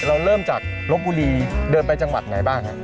เราเริ่มจากลบบุรีเดินไปจังหวัดไหนบ้างฮะ